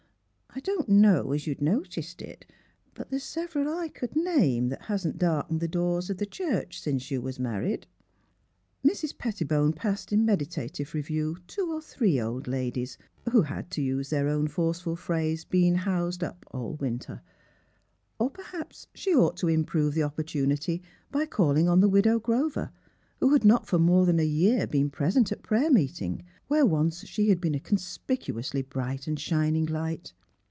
I don't know as you've noticed it, but there's several I c'd name that 15 16 THE HEART OF PHILURA hasn't darkened the doors of the church since you was married." Mrs. Pettibone passed in meditative review two or three old ladies, who had, to use their own forceful phrase, '^ been housed up all winter." Or perhaps she ought to improve the opportunity by calling on the Widow Grover, who had not for more than a year been present at prayer meeting, where once she had been a conspicuously bright and shining light.